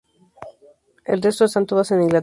El resto están todas en Inglaterra.